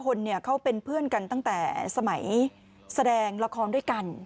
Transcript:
คนเนี่ยเขาเป็นเพื่อนกันตั้งแต่สมัยแสดงละครด้วยกัน